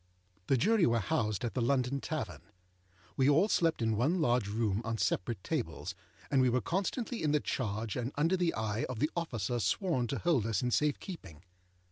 The Jury were housed at the London Tavern. We all slept in one large room on separate tables, and we were constantly in the charge and under the eye of the officer sworn to hold us in safe keeping.